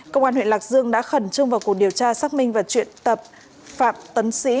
công an huyện lạc dương đã khẩn trương vào cuộc điều tra xác minh và truyện tập phạm tấn sĩ